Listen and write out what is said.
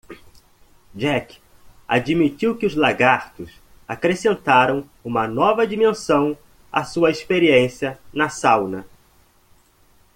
Jack admitiu que os lagartos acrescentaram uma nova dimensão à sua experiência na sauna.